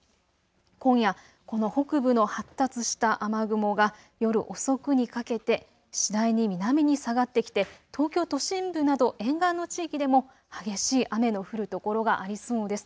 今夜、この北部の発達した雨雲が夜遅くにかけて次第に南に下がってきて東京都心部など沿岸の地域でも激しい雨の降る所がありそうです。